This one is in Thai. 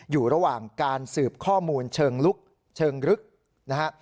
อยู่ระหว่างการสืบข้อมูลเชิงลุกเชิงลึกนะฮะ